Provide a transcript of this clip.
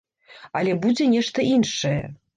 Але будзе нешта іншае.